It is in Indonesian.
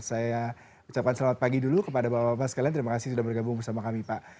saya ucapkan selamat pagi dulu kepada bapak bapak sekalian terima kasih sudah bergabung bersama kami pak